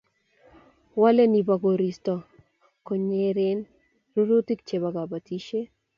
walee ni bo koristo ko nyeren rurutik che bo kabotisie.